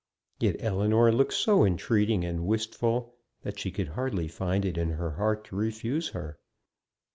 Yet Ellinor looked so entreating and wistful that she could hardly find in her heart to refuse her.